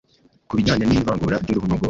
ku bijyanye n’ivangura ry’uruhu n’ubwoko